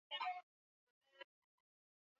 amekanusha tuhma ya kwamba kiongozi huyo